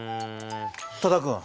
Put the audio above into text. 多田君。